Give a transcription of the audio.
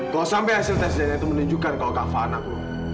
kalau sampai hasil tes dna itu menunjukkan kalau kafa anak lo